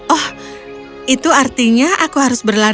oh itu artinya aku harus berlari